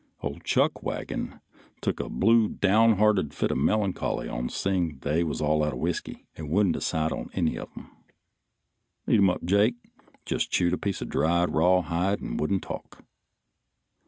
Old Chuckwagon took a blue down hearted fit of melancholy on seeing they was all out of whiskey and wouldn't decide on any of them. Eatumup Jake just chewed a piece of dried rawhide and wouldn't talk.